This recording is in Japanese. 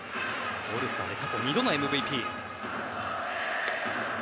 オールスターで過去２度のＭＶＰ。